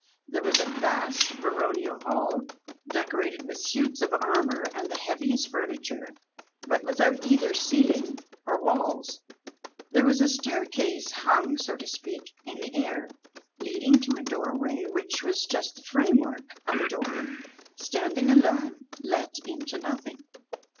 There was a vast baronial hall, decorated with suits of armour and the heaviest furniture, but without either ceiling or walls. There was a staircase hung, so to speak, in the air, leading to a doorway, which was just the framework of a door, standing alone, let into nothing.